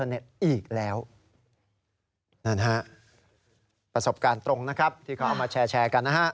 นั่นฮะประสบการณ์ตรงนะครับที่เขาเอามาแชร์แชร์กันนะฮะ